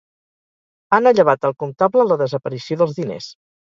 Han allevat al comptable la desaparició dels diners.